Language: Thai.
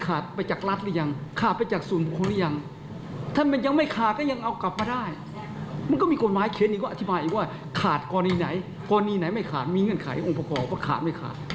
อาจเป็นช่องทางทำให้ฝ่ายตรงข้าม